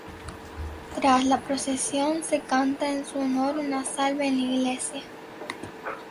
Tras la procesión se canta en su honor una Salve en la iglesia.